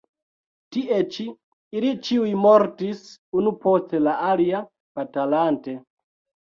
Tie ĉi ili ĉiuj mortis unu post la alia batalante.